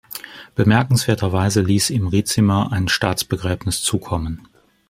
Bemerkenswerterweise ließ ihm Ricimer ein Staatsbegräbnis zukommen.